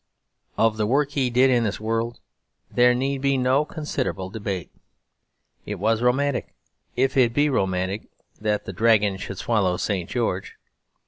Of the work he did in this world there need be no considerable debate. It was romantic, if it be romantic that the dragon should swallow St. George.